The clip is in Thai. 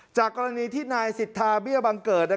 จากกรณีที่นายสิทธาเบี้ยบังเกิด